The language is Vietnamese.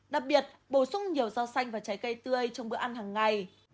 đặc biệt bổ sung nhiều rau xanh và trái cây tươi trong bữa ăn hàng ngày